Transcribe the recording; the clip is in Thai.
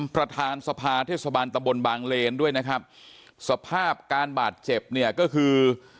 ประธานสภาเทศบาลตะบนบางเลนด้วยนะครับสภาพการบาดเจ็บเนี่ยก็คือ